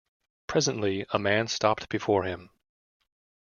Presently a man stopped before him.